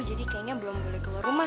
jadi kayaknya belum boleh keluar rumah